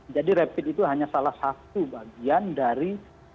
jadi rapid itu hanya salah satu bagian dari